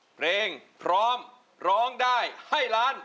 เพลงพร้อมร้องได้ให้ล้าน